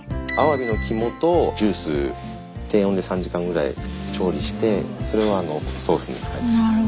アワビの肝とジュース低温で３時間ぐらい調理してそれをソースに使いました。